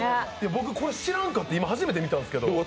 僕、これ知らんかった、初めて見たんですけど。